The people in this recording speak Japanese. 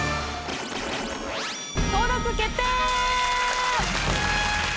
登録決定！